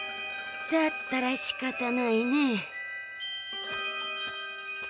だったらしかたないね。